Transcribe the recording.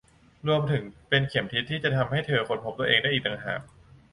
รวมถึงเป็นเข็มทิศที่จะทำให้เธอค้นพบตัวเองได้อีกต่างหาก